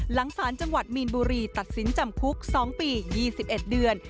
สารจังหวัดมีนบุรีตัดสินจำคุก๒ปี๒๑เดือน